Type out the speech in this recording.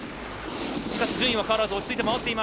しかし順位は変わらず。